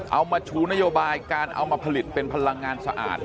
เอามาชูนโยบายการเอามาผลิตเป็นพลังงานสะอาด